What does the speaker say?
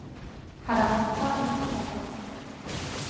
Ҳара ҳтәқәа, арыцҳақәа…